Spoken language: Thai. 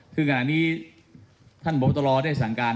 ซึ่งตอนนี้ท่านบอกแต่ลอได้สั่งการ